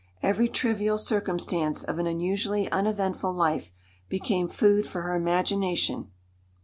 Every trivial circumstance of an unusually uneventful life became food for her imagination.